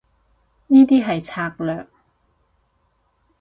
呢啲係策略